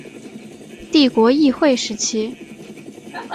帝国议会时期。